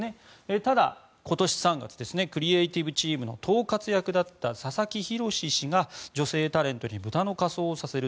ただ、今年３月クリエーティブチームの統括役佐々木宏さんが女性タレントにブタの仮装をさせる